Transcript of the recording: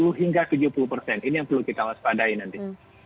dua puluh hingga tujuh puluh persen ini yang perlu kita waspadai nanti